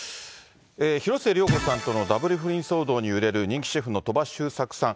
広末涼子さんとのダブル不倫騒動に揺れる人気シェフの鳥羽周作さん。